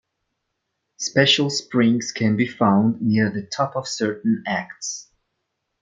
Special Springs can be found near the top of certain acts.